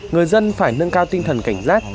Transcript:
người dân phải nâng cao tinh thần cảnh giác